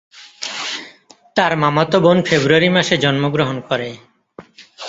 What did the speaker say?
তার মামাতো বোন ফেব্রুয়ারি মাসে জন্মগ্রহণ করে।